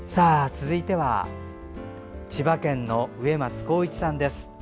続いては千葉県の上松広一さんです。